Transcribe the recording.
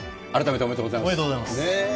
おめでとうございます。